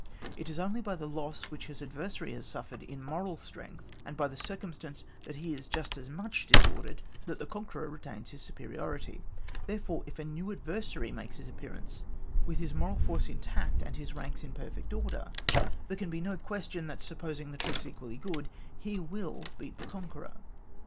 It is only by the loss which his adversary has suffered in moral strength, and by the circum stance that he is just as much disordered, that the conqueror retains his superiority, therefore, if a new adversary makes his appearance with his moral force intact, and his ranks in perfect order, there can be no question that, supposing the troops equally good, he will beat the conqueror.